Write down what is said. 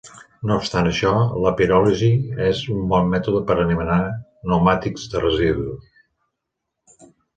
No obstant això, la piròlisi és un bon mètode per a eliminar pneumàtics de residus.